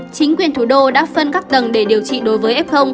chính quyền thủ đô đã phân các tầng để điều trị đối với f